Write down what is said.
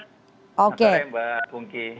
selamat sore mbak pungki